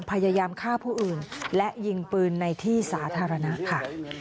พยายามฆ่าผู้อื่นและยิงปืนในที่สาธารณะค่ะ